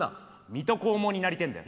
水戸黄門になりてえんだよ。